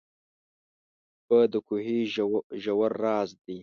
اوبه د کوهي ژور راز دي.